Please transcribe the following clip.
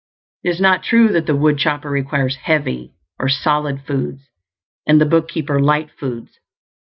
It is not true that the woodchopper requires "heavy" or "solid" foods and the bookkeeper "light" foods.